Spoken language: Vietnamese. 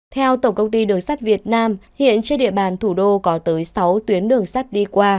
theo tổng công ty đường sắt việt nam hiện trên địa bàn thủ đô có tới sáu tuyến đường sắt đi qua